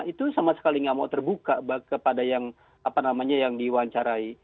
itu sama sekali nggak mau terbuka kepada yang diwawancarai